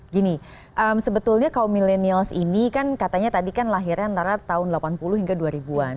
gini sebetulnya kaum milenials ini kan katanya tadi kan lahirnya antara tahun delapan puluh hingga dua ribu an